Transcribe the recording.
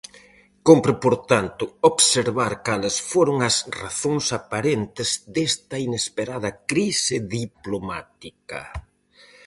Cómpre por tanto observar cales foron as razóns aparentes desta inesperada crise diplomática.